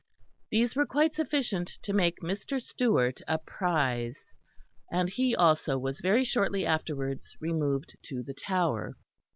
These were quite sufficient to make Mr. Stewart a prize; and he also was very shortly afterwards removed to the Tower.